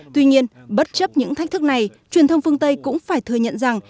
tuy nhiên bất chấp những thách thức này truyền thông phương tây cũng phải thừa nhận rằng